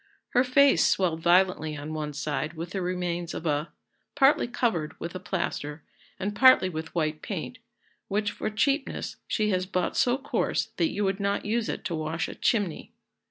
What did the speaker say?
Her face swelled violently on one side with the remains of a , partly covered with a plaister, and partly with white paint, which for cheapness she has bought so coarse that you would not use it to wash a chimney.